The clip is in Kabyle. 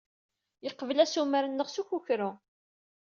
Yeqbel assumer-nneɣ s ukukru.